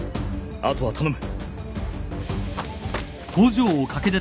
あとは頼む。